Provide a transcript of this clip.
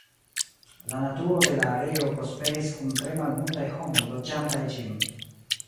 La naturo de la areo prosperis kun tre malmultaj homoj loĝantaj ĝin.